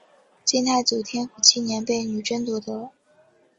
金太祖天辅七年被女真夺得。